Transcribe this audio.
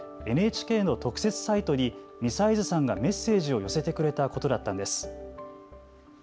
ＮＨＫの特設サイトに美齊津さんがメッセージを寄せてくれたことだったんです。